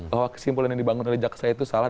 bahwa kesimpulan yang dibangun oleh jaksa itu salah